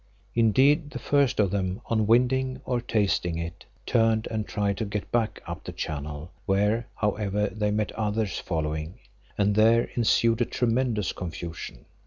Indeed, the first of them on winding or tasting it, turned and tried to get back up the channel where, however, they met others following, and there ensued a tremendous confusion.